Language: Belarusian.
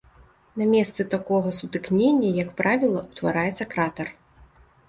На месцы такога сутыкнення, як правіла, утвараецца кратар.